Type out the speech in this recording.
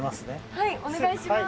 はいお願いします。